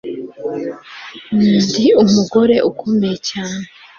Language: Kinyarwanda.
ndi umugore ukomeye cyane